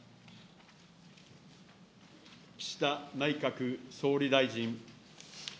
岸田内閣総理大臣。